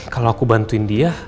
kalo aku bantuin dia